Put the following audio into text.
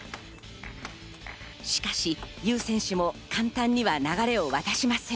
しかし、ユー選手も簡単には流れを渡しません。